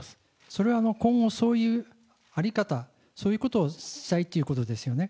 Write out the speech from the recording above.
それは今後、そういう在り方、そういうことをしたいということですよね。